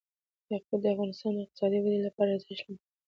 یاقوت د افغانستان د اقتصادي ودې لپاره ارزښت لري.